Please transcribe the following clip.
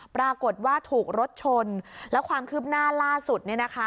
ปรากฏว่าถูกรถชนและความคืบหน้าล่าสุด